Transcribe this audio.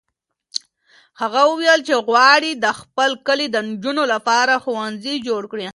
هغه وویل چې غواړي د خپل کلي د نجونو لپاره ښوونځی جوړ کړي.